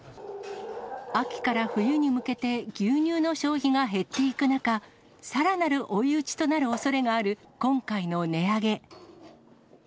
秋から冬に向けて、牛乳の消費が減っていく中、さらなる追い打ちとなるおそれがある今回の値上げ。